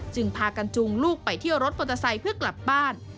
จึงพากันจูงลูกไปเที่ยวรถปลอดศัยเพื่อกลับบ้าน